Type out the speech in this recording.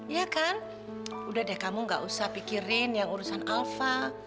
ya kan udah deh kamu gak usah pikirin yang urusan alpha